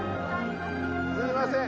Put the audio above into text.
すいません。